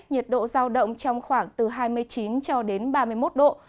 nhiệt độ giao động trong khoảng từ hai mươi chín ba mươi một độ